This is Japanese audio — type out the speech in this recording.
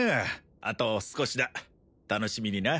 あと少しだ楽しみにな